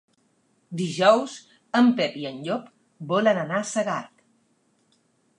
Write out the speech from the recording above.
Dijous en Pep i en Llop volen anar a Segart.